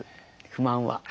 不満は。